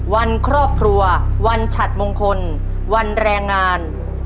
วันครอบครัววันฉัดมงคลวันแรงงาน